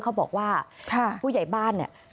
เขาบอกว่าผู้ใหญ่บ้านเนี่ย